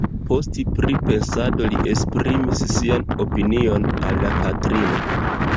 Post pripensado li esprimis sian opinion al la patrino.